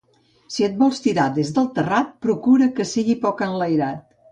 Si et vols tirar des del terrat, procura que sigui poc enlairat.